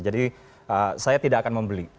jadi saya tidak akan membeli